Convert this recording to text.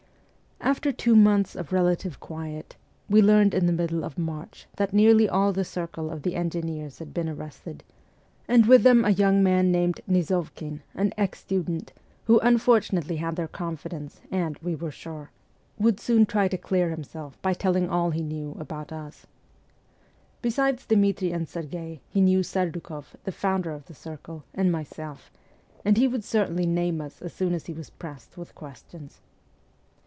After two months of relative quiet, we learned in the middle of March that nearly all the circle of the engineers had been arrested, and with them a young man named Nizovkin, an ex student, who unfortunately had their confidence, and, we were sure, would soon 124 MEMOIRS OF A REVOLUTIONIST try to clear himself by telling all he knew about us. Besides Dmitri and Serghei he knew Serdukoff, the founder of the circle, and myself, and he would certainly name us as soon as he was pressed with questions.